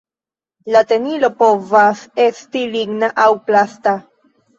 La tenilo povas esti ligna aŭ plasta.